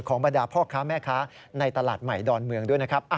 บรรดาพ่อค้าแม่ค้าในตลาดใหม่ดอนเมืองด้วยนะครับ